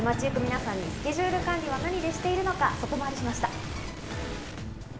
街行く皆さんにスケジュール管理は何でしているのか外回りしました。